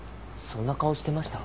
そんな顔してました？